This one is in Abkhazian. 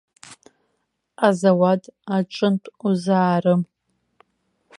Азауад аҿынтә узаарым.